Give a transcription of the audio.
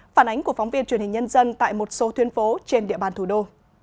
phản ánh của phóng viên truyền hình nhân dân tại một số tuyến phố trên địa bàn thủ đô